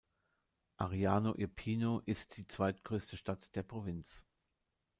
Ariano Irpino ist die zweitgrößte Stadt der Provinz.